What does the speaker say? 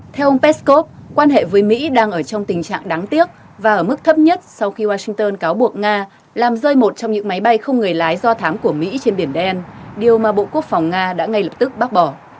theo ông peskov quan hệ với mỹ đang ở trong tình trạng đáng tiếc và ở mức thấp nhất sau khi washington cáo buộc nga làm rơi một trong những máy bay không người lái do thám của mỹ trên biển đen điều mà bộ quốc phòng nga đã ngay lập tức bác bỏ